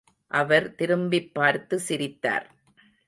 அவர் திரும்பிப்பார்த்து சிரித்தார்.